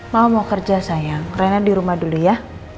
mama mau kerja sayang rena di rumah dulu ya